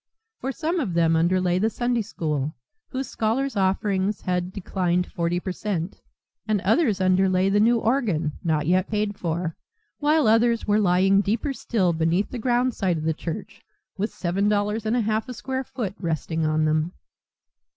For some of them underlay the Sunday School, whose scholars' offerings had declined forty per cent, and others underlay the new organ, not yet paid for, while others were lying deeper still beneath the ground site of the church with seven dollars and a half a square foot resting on them.